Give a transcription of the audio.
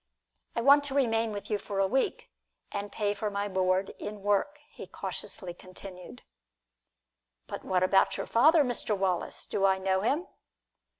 "I want to remain with you for a week and pay for my board in work," he cautiously continued. "But about your father, Mr. Wallace do I know him?"